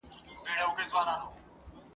د دوی نوم په پېشلیک کي نه وو لیکل سوی.